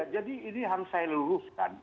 jadi ini harus saya luluskan